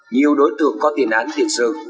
nhiều đối tượng có tiền án tiền sự